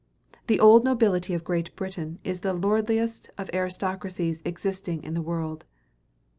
The old nobility of Great Britain is the lordliest of aristocracies existing in the world.